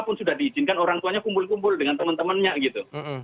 pun sudah diizinkan orang tuanya kumpul kumpul dengan teman temannya gitu